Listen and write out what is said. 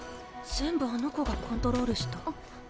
全部あの子がコントロールした。